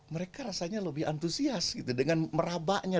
mereka rasanya lebih antusias gitu dengan merabaknya